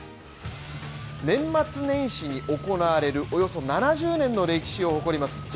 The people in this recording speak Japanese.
年末年始に行われるおよそ７０年の歴史を誇ります